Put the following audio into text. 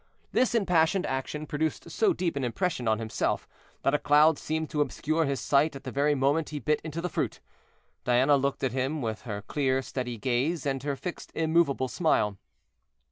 This impassioned action produced so deep an impression on himself, that a cloud seemed to obscure his sight at the very moment he bit into the fruit. Diana looked at him with her clear steady gaze, and her fixed immovable smile.